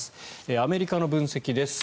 アメリカの分析です。